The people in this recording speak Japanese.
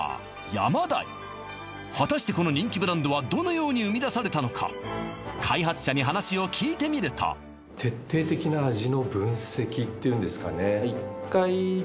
ヤマダイ果たしてこの人気ブランドはどのように生み出されたのか開発者に話を聞いてみると７８？